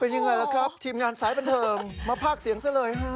ยังไงล่ะครับทีมงานสายบันเทิงมาภาคเสียงซะเลยฮะ